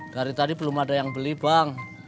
dari tadi belum ada yang beli bank